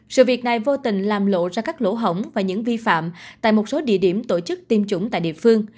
sự việc này vô tình làm lộ ra các lỗ hổng và những vi phạm tại một số địa điểm tổ chức tiêm chủng tại địa phương